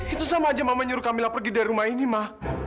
itu sama aja mama nyuruh kami lah pergi dari rumah ini ma